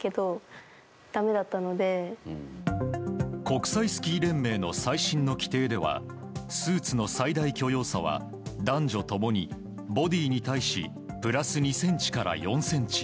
国際スキー連盟の最新の規定ではスーツの最大許容差は男女共にボディーに対しプラス２ｃｍから４ｃｍ。